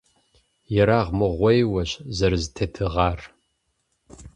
Ерагъмыгъуейуэщ зэрызэтетӀыгъар.